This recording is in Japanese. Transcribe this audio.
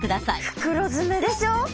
袋詰めでしょ？